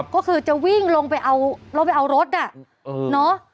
ก็คือจะวิ่งลงไปเอารถน่ะ